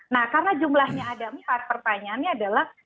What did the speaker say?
nah karena jumlahnya ada empat pertanyaannya adalah